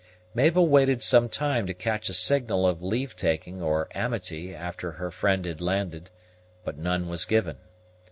Mabel waited some time to catch a signal of leave taking or amity after her friend had landed, but none was given.